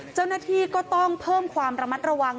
เจ้าหน้าที่ก็ต้องเพิ่มความระมัดระวัง